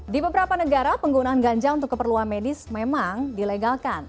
di beberapa negara penggunaan ganja untuk keperluan medis memang dilegalkan